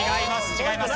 違います。